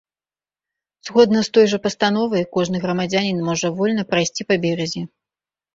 Згодна з той жа пастановай, кожны грамадзянін можа вольна прайсці па беразе.